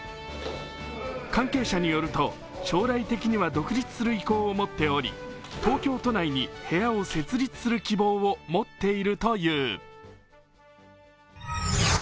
関係者によると、将来的には独立する意向を持っており東京都内に部屋を設立する希望を持っているという。